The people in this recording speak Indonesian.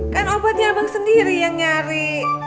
kan obatnya abang sendiri yang nyari